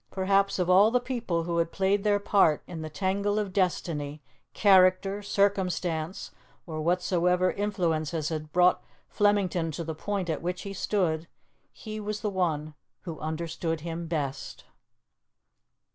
Perhaps of all the people who had played their part in the tangle of destiny, character, circumstance, or whatsoever influences had brought Flemington to the point at which he stood, he was the one who understood him best.